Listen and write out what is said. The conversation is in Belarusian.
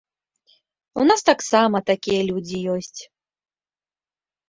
У нас таксама такія людзі ёсць.